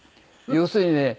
要するにね